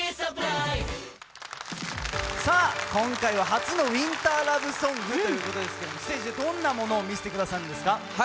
今回は初のウィンターラブソングということですけどステージでどんなものを見せてくださるんですか？